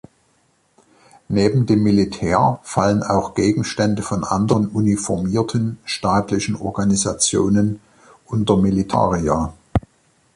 Neben dem Militär fallen auch Gegenstände von anderen uniformierten staatlichen Organisationen unter Militaria.